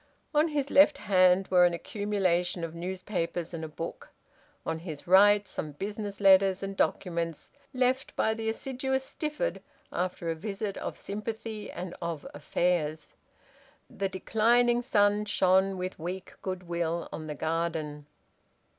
On his left hand were an accumulation of newspapers and a book; on his right, some business letters and documents left by the assiduous Stifford after a visit of sympathy and of affairs. The declining sun shone with weak goodwill on the garden.